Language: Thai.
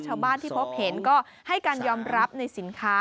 ชาวบ้านที่พบเห็นก็ให้การยอมรับในสินค้า